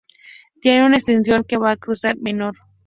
Tiene una extensión que va a Cizur Menor.